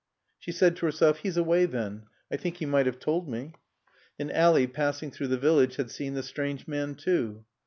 She said to herself, "He's away then. I think he might have told me." And Ally, passing through the village, had seen the strange man too.